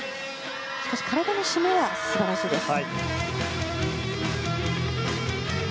しかし、体の締めは素晴らしいです。